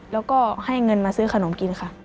แล้วก็ให้เงินมาซื้อขนมกินค่ะ